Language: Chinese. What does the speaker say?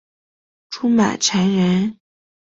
朱买臣人。